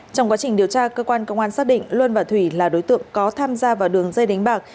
trong quá trình điều tra cơ quan công an xác định luân và thủy là đối tượng có tham gia vào đường dây đánh bạc